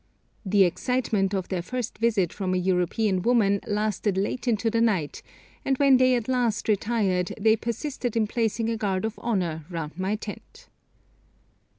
The excitement of their first visit from a European woman lasted late into the night, and when they at last retired they persisted in placing a guard of honour round my tent.